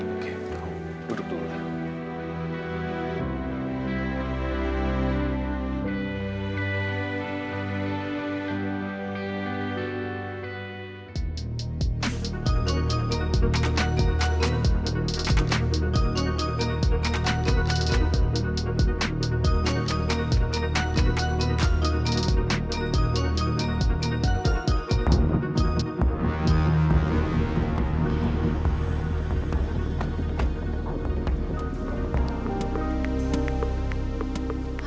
oke duduk dulu ya